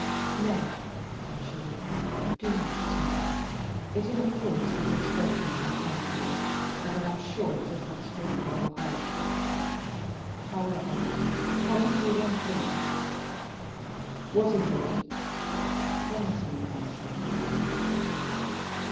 "Nay," said she, "do not smile; it ill accords with the expression of your countenance, and I am sure it does not spring from your heart. However, promise me one thing." "What is it?" "Promise me, I say."